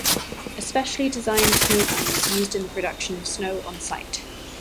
A specially designed Snow Gun is used in the production of snow on site.